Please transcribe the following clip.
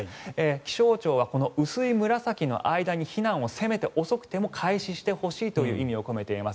気象庁はこの薄い紫の間に避難をせめて、遅くても開始してほしいという意味を込めています。